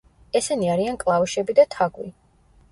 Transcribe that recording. ესენი არიან კლავიშები და თაგვი.